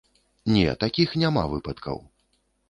Не, такіх няма выпадкаў.